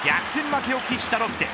負けを喫したロッテ。